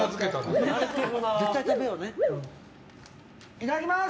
いただきます！